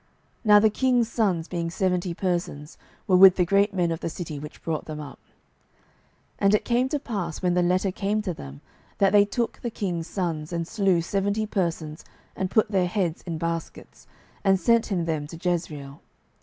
Now the king's sons, being seventy persons, were with the great men of the city, which brought them up. 12:010:007 And it came to pass, when the letter came to them, that they took the king's sons, and slew seventy persons, and put their heads in baskets, and sent him them to Jezreel.